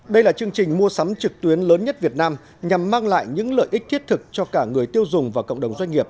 đây là chương trình mua sắm trực tuyến lớn nhất việt nam nhằm mang lại những lợi ích thiết thực cho cả người tiêu dùng và cộng đồng doanh nghiệp